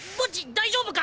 大丈夫か？